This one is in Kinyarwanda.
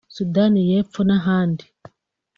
Sudani y’ Epfo n’ahandi